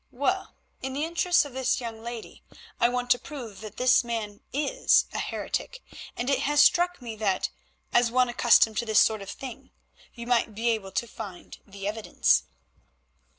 "Well, in the interests of this young lady, I want to prove that this man is a heretic, and it has struck me that—as one accustomed to this sort of thing—you might be able to find the evidence."